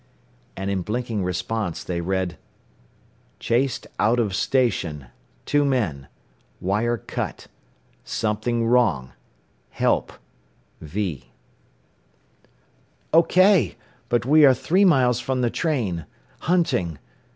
and in blinking response they read: "Chased out of station. Two men. Wire cut. Something wrong. Help! V." "OK. But we are three miles from the train. Hunting.